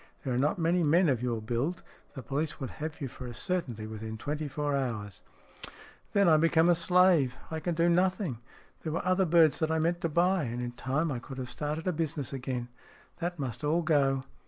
There are not many men of your build. The police would have you for a certainty within twenty four hours." " Then I become a slave ; I can do nothing. There were other birds that I meant to buy. And in time I could have started a business again. That must all go."